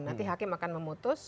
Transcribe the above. nanti hakim akan memutus